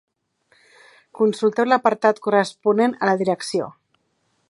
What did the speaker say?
Consulteu l'apartat corresponent a la Direcció.